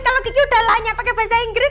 kalo kiki udah lanya pakai bahasa inggris